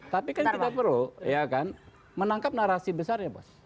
tapi kan kita perlu menangkap narasi besar ya bos